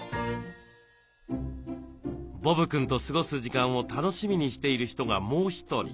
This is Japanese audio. ボブくんと過ごす時間を楽しみにしている人がもう一人。